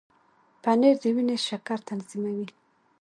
پنېر د وینې شکر تنظیموي.